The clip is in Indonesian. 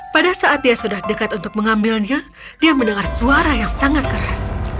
pada saat dia sudah dekat untuk mengambilnya dia mendengar suara yang sangat keras